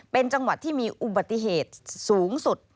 เป็นจังหวัดที่มีอุบัติเหตุสูงสุด